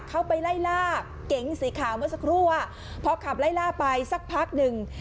เข้าไปไล่ล่าเก๋งสีขาวเมื่อสักครู่พอขับไล่ล่าไปสักพักหนึ่ง